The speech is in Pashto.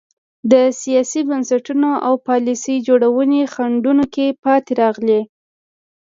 د سیاسي بنسټونو او پالیسۍ جوړونې خنډونو کې پاتې راغلي.